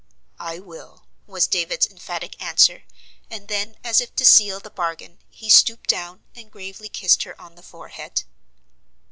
"I will," was David's emphatic answer, and then, as if to seal the bargain, he stooped down, and gravely kissed her on the forehead.